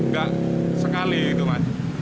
gak sekali itu mas